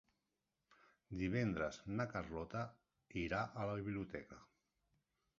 Divendres na Carlota irà a la biblioteca.